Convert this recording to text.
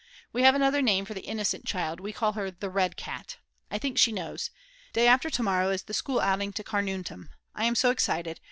We have another name for the "innocent child," we call her the "red cat." I think she knows. Day after tomorrow is the school outing to Carnuntum. I am so excited.